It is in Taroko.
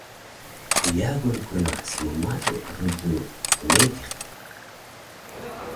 dyagun kuna smmalu rulu tmediq